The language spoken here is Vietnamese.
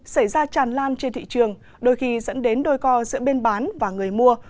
xảy ra tràn lan trên thị trường đôi khi dẫn đến đôi co giữa bên bán và người mua